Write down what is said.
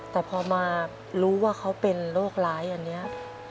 แต่พอมารู้ว่าเขาเป็นโรคร้ายอันนี้